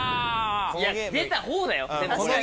いや出た方だよ。